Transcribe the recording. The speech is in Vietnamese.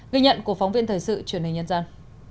ghi nhận của phóng viên thời sự truyền hình nhân dân